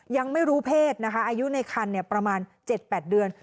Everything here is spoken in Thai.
ยังไม่รู้เพศนะคะอายุในคันประมาณ๗๘เดือน